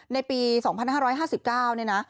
ในปี๒๕๕๙เนี่ยนะ